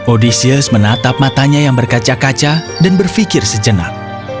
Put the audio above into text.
odysseus menatap matanya yang berkaca kaca dan berpikir sejenak